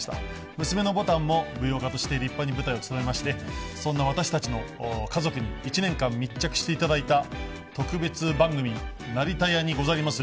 娘のぼたんも、舞踊家として立派に舞台を務めまして、そんな私たちの家族に１年間密着していただいた特別番組、成田屋に、ござりまする。